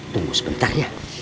tunggu sebentar ya